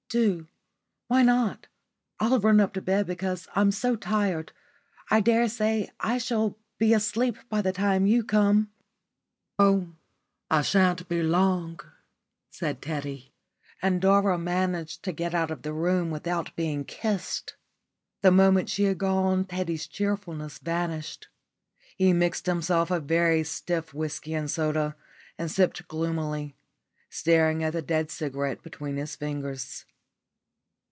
Do. Why not? I'll run up to bed because I'm so tired. I daresay I shall be asleep by the time you come." "Oh, I shan't be long," said Teddy, and Dora managed to get out of the room without being kissed. The moment she had gone Teddy's cheerfulness vanished. He mixed himself a very stiff whisky and soda, and sipped gloomily, staring at the dead cigarette between his fingers.